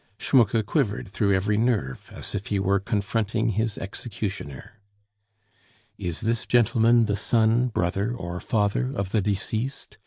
Schmucke quivered through every nerve as if he were confronting his executioner. "Is this gentleman the son, brother, or father of the deceased?"